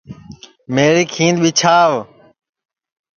میری کھیند ٻیچھاو